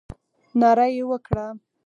ناره یې وکړه.